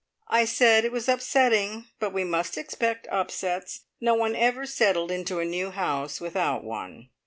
I said it was upsetting, but we must expect upsets. No one ever settled into a new house without one.